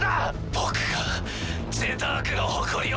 僕がジェタークの誇りを守る。